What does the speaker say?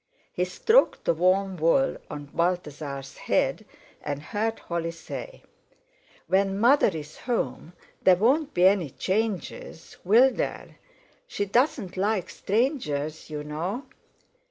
He stroked the warm wool on Balthasar's head, and heard Holly say: "When mother's home, there won't be any changes, will there? She doesn't like strangers, you know."